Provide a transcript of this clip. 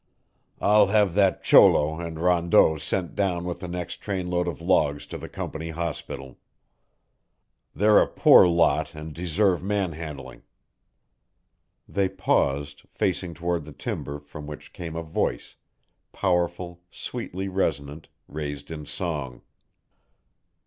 I'll have that cholo and Rondeau sent down with the next trainload of logs to the company hospital. They're a poor lot and deserve manhandling " They paused, facing toward the timber, from which came a voice, powerful, sweetly resonant, raised in song.